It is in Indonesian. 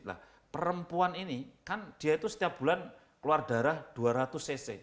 nah perempuan ini kan dia itu setiap bulan keluar darah dua ratus cc